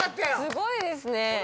すごいですね。